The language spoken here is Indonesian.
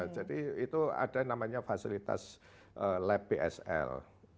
jadi itu ada namanya fasilitas lab bsl